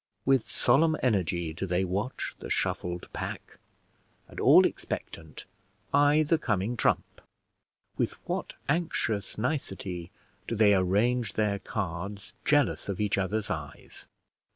With solemn energy do they watch the shuffled pack, and, all expectant, eye the coming trump. With what anxious nicety do they arrange their cards, jealous of each other's eyes!